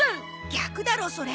逆だろそれ。